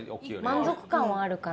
満足感はあるかな。